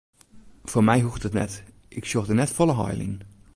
Foar my hoecht it net, ik sjoch der net folle heil yn.